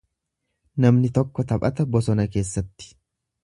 Namni tokko taphata bosona keessatti.